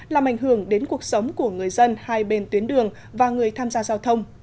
làm ảnh hưởng đến cuộc sống của người dân hai bên tuyến đường và người tham gia giao thông